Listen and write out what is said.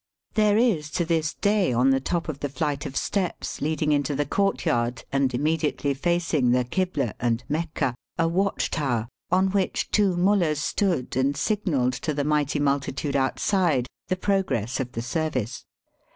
There is to this day on the top of the Digitized by VjOOQIC DELHI. 303 flight of steps leading into the courtyard and immediately facing the Kibla and Mecca, a watch tower, on which two mullahs stood and signalled to the mighty multitude out side the progress of the service.